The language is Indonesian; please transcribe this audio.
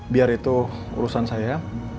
biar itu urusan saya